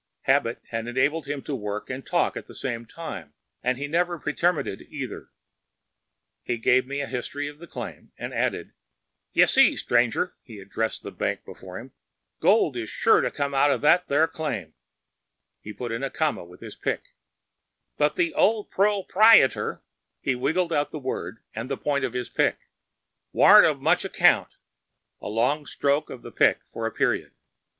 Habit had enabled him to work and talk at the same time, and he never pretermitted either. He gave me a history of the claim, and added: “You see, stranger (he addressed the bank before him), gold is sure to come outer that theer claim (he put in a comma with his pick), but the old pro pri e tor (he wriggled out the word and the point of his pick) warn’t of much account (a long stroke of the pick for a period).